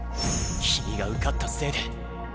君が受かったせいで。